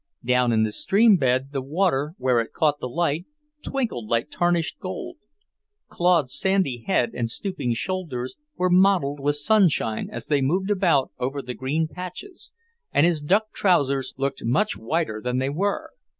Down in the stream bed the water, where it caught the light, twinkled like tarnished gold. Claude's sandy head and stooping shoulders were mottled with sunshine as they moved about over the green patches, and his duck trousers looked much whiter than they were.